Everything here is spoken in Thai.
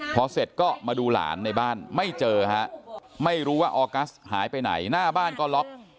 พอเสร็จก็มาดูหลานในบ้านไม่เจอฮะไม่รู้ว่าออกัสหายไปไหนหน้าบ้านก็ล็อก